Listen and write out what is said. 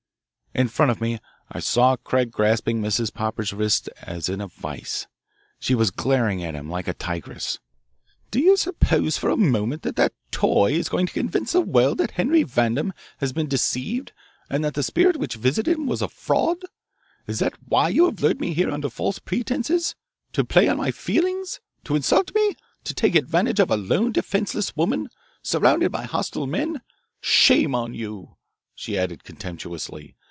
In front of me I saw Craig grasping Mrs. Popper's wrists as in a vise. She was glaring at him like a tigress. "Do you suppose for a moment that that toy is going to convince the world that Henry Vandam has been deceived and that the spirit which visited him was a fraud? Is that why you have lured me here under false pretences, to play on my feelings, to insult me, to take advantage of a lone, defenceless woman, surrounded by hostile men? Shame on you," she added contemptuously.